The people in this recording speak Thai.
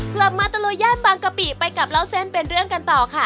ตะลุยย่านบางกะปิไปกับเล่าเส้นเป็นเรื่องกันต่อค่ะ